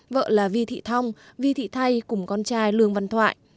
vợ là vi thị thong vi thị thay cùng con trai lường văn thoại